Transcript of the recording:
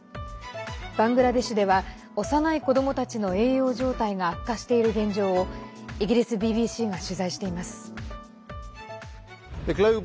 バングラデシュでは幼い子どもたちの栄養状態が悪化している現状をイギリスＢＢＣが取材しています。